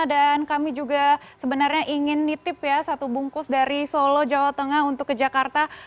dan kami juga sebenarnya ingin nitip ya satu bungkus dari solo jawa tengah untuk ke jakarta